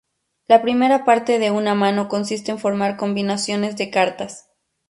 La primera parte de una mano consiste en formar combinaciones de cartas.